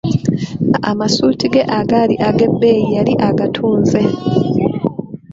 Amasuuti ge agaali ag'ebbeyi, yali agatunze.